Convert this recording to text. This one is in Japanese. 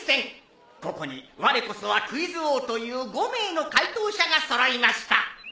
ここにわれこそはクイズ王という５名の解答者が揃いました！